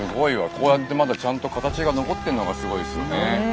こうやってまだちゃんと形が残ってるのがすごいですよね。